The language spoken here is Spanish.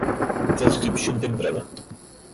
Transcripción temprana.